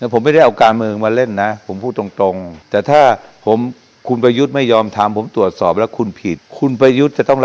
ผมไม่ได้เอาการเมืองมาเล่นนะผมพูดตรง